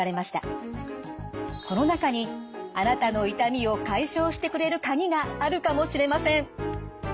この中にあなたの痛みを解消してくれる鍵があるかもしれません。